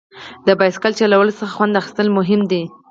د بایسکل چلولو څخه خوند اخیستل مهم دي.